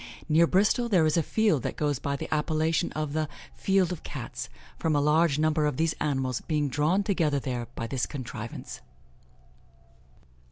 Near Bristol there is a field that goes by the appellation of the 'Field of Cats,' from a large number of these animals being drawn together there by this contrivance."